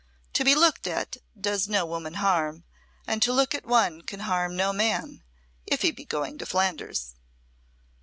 "To be looked at does no woman harm, and to look at one can harm no man if he be going to Flanders."